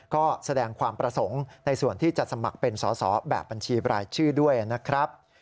ก็แสดงความประสงค์ในส่วนที่จะสมัครเป็นสอสอแบบบัญชีบรายชื่อด้วยนะครับ